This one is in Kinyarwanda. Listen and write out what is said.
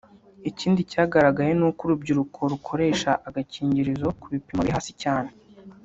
Ikindi cyagaragaye ni uko urubyiruko rukoresha agakingirizo ku bipimo biri hasi cyane